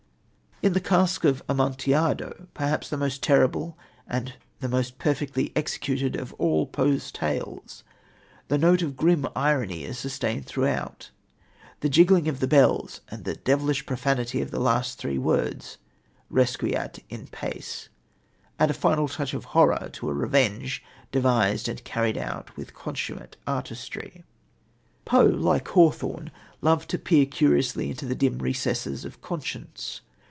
In The Cask of Amontillado perhaps the most terrible and the most perfectly executed of all Poe's tales the note of grim irony is sustained throughout. The jingling of the bells and the devilish profanity of the last three words Requiescat in pace add a final touch of horror to a revenge, devised and carried out with consummate artistry. Poe, like Hawthorne, loved to peer curiously into the dim recesses of conscience.